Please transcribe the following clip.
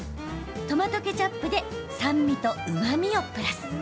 トマトケチャップで酸味とうまみをプラス。